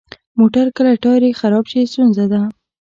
موټر که ټایر یې خراب شي، ستونزه ده.